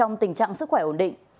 trong tình trạng sức khỏe ổn định